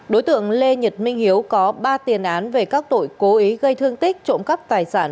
đối tượng lê nhật minh hiếu có ba tiền án về các tội cố ý gây thương tích trộm cắp tài sản